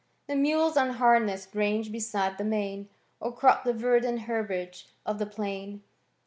The mules nnhamess'd range beside the main. Or crop the verdant herbage of the plain.